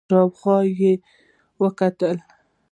شاو خوا يې وکتل.